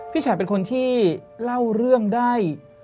พี่แฉะเป็นคนที่เล่าเรื่องได้